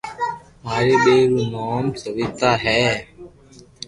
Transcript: ماري ٻئير رو نوم سويتا ھو